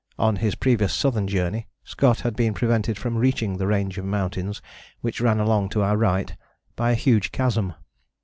On his previous southern journey Scott had been prevented from reaching the range of mountains which ran along to our right by a huge chasm.